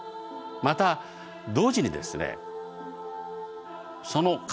また同時にですね